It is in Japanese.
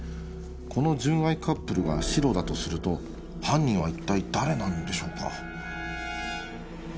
この純愛カップルがシロだとすると犯人は一体誰なんでしょうか？